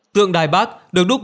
tượng đài bắc được đúc